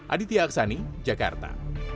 aditya aksani jakarta